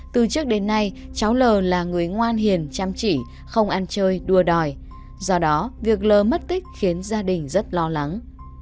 từ trước đến nay cháu l là người ngoan hiền chăm chỉ không ăn chơi đua đòi do đó việc lờ mất tích khiến gia đình rất lo lắng